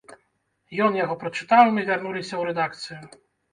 Ён яго прачытаў, і мы вярнуліся ў рэдакцыю.